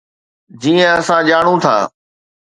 جيئن اسان ڄاڻون ٿا.